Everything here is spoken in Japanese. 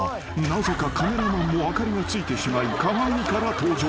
［なぜかカメラマンも明かりがついてしまい鏡から登場］